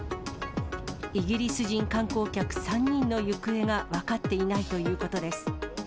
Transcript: イギリス人観光客３人の行方が分かっていないということです。